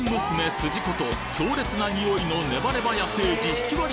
すじこと強烈なにおいのネバネバ野生児ひきわり